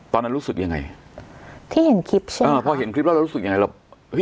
ตอนนั้นรู้สึกยังไงที่เห็นคลิปใช่ไหมอ่าพอเห็นคลิปแล้วเรารู้สึกยังไงเราเฮ้